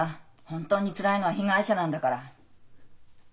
本当につらいのは被害者なんだから。